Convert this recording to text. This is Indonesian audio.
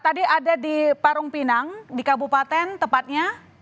tadi ada di parung pinang di kabupaten tepatnya